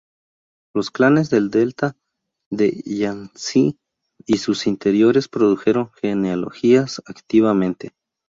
Los clanes del delta de Yangtze y sus interiores produjeron genealogías activamente.